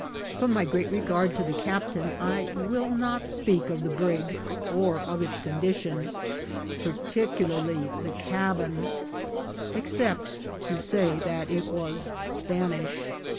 From my great regard to the captain, I will not speak of the brig or of its condition, particular ly the cabin, except to say that it was Spanish.